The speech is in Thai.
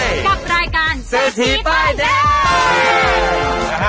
กับรายการเซฟทีปายเด้ง